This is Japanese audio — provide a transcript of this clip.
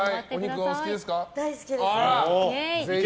大好きです！